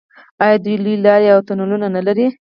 آیا دوی لویې لارې او تونلونه نلري؟